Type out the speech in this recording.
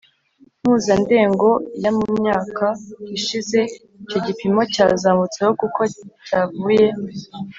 mpuzandengo ya Mu myaka ishize icyo gipimo cyazamutseho kuko cyavuye